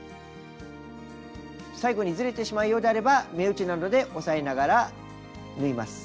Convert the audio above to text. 最後にずれてしまうようであれば目打ちなどで押さえながら縫います。